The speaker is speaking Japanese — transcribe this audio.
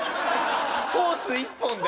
ホース１本で？